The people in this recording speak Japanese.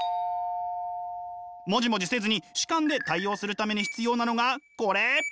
モジモジせずに主観で対応するために必要なのがこれ！